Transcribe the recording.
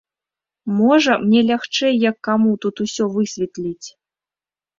Можа, мне лягчэй, як каму, тут усё высветліць.